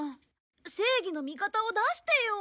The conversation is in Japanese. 正義の味方を出してよ！